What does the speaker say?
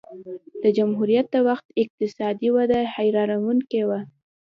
د جمهوریت د وخت اقتصادي وده حیرانوونکې وه